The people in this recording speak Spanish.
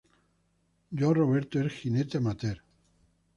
João Roberto es jinete amateur.